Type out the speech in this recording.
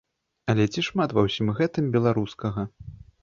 Але ці шмат ва ўсім гэтым беларускага?